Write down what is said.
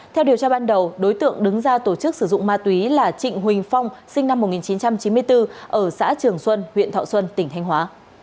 theo điều tra ban đầu đối tượng đứng ra tổ chức sử dụng ma túy là trịnh huỳnh phong sinh năm một nghìn chín trăm chín mươi bốn ở xã trường xuân huyện thọ xuân tỉnh thanh hóa